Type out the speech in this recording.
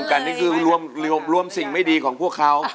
ร่วมกันนี่คือรวมร่วมสิ่งไม่ดีของพวกเขา